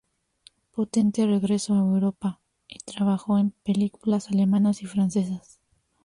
Potente regresó a Europa y trabajó en películas alemanas y francesas.